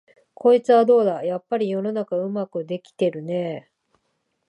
こいつはどうだ、やっぱり世の中はうまくできてるねえ、